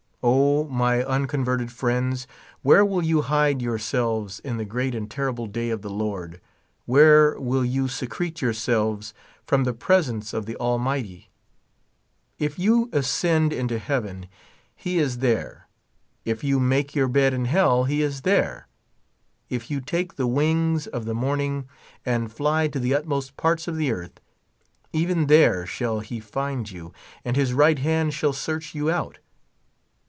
O, my unconverted friends, where will you hide your selves in the great and terrible day of the Lord ? Where will you secrete yourselves from the presence of the Al mighty? If you ascend into heaven, he is there ; if you make your bed in hell, he is there. If you take the wings of the morning and fly to the utmost parts of the earth, even there shall he find you, and his right hand shall search you out.